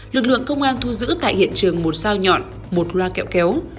lực lượng công an thu giữ tại hiện trường một sao nhọn một loa kẹo kéo